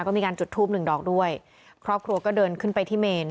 ก็มีการจุดทูปหนึ่งดอกด้วยครอบครัวก็เดินขึ้นไปที่เมน